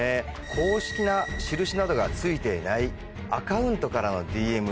公式な印などが付いていないアカウントからのＤＭ。